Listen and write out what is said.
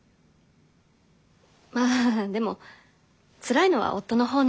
まあでもつらいのは夫のほうなので。